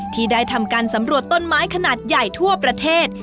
ที่ได้ทำการสำรวจต้นไม้ขนาดใหญ่ทั่วประเทศ